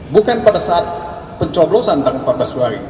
bukan pada saat pencoblosan tanggal empat belas hari